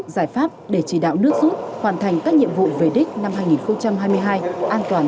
giải pháp để chỉ đạo nước rút hoàn thành các nhiệm vụ về đích năm hai nghìn hai mươi hai an toàn